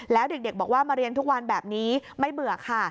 แล้วเด็กบอกว่ามาเรียนทุกวันแบบนี้ไม่เบื่อค่ะ